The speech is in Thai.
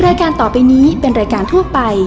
รายการต่อไปนี้เป็นรายการทั่วไป